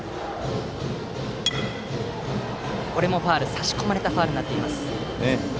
差し込まれたファウルになっています。